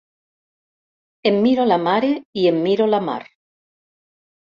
Em miro la mare i em miro la Mar.